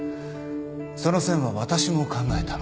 その線は私も考えた。